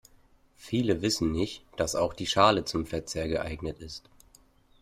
Viele wissen nicht, dass auch die Schale zum Verzehr geeignet ist.